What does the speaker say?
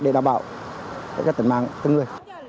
để đảm bảo các tình mạng tình người